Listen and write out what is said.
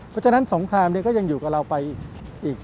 เพราะฉะนั้นสงครามก็ยังอยู่กับเราไปอีก